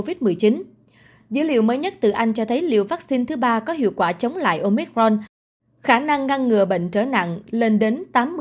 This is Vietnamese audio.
với covid một mươi chín dữ liệu mới nhất từ anh cho thấy liệu vaccine thứ ba có hiệu quả chống lại omicron khả năng ngăn ngừa bệnh trở nặng lên đến tám mươi